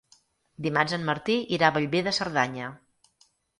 Dimarts en Martí irà a Bellver de Cerdanya.